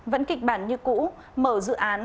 vẫn kịch bản như cũ mở dự án